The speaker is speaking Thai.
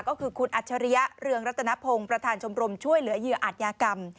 ก็คือคุณอัจฉริยะเรืองรัตนพงศ์ประธานชมรมช่วยเหลือเหยื่ออาจยากรรม